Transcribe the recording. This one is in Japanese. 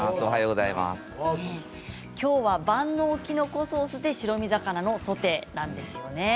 きょうは万能きのこソースで白身魚のソテーなんですよね。